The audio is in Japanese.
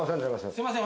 すみません